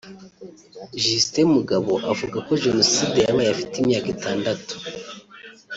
Justin Mugabo avuga ko jenoside yabaye afite imyaka itandatu